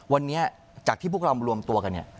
วันนี้จากที่พวกเรามันรวมตัวกัน